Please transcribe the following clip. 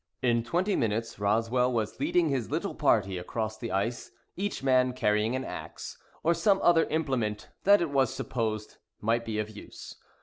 In twenty minutes Roswell was leading his little party across the ice, each man carrying an axe, or some other implement that it was supposed might be of use.